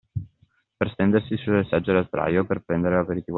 Per stendersi sulle seggiole a sdraio o per prendere l’aperitivo al bar.